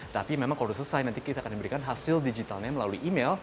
tapi memang kalau sudah selesai nanti kita akan diberikan hasil digitalnya melalui email